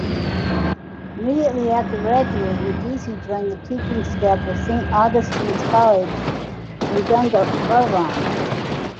Immediately after graduating, Deasy joined the teaching staff of Saint Augustine's College in Dungarvan.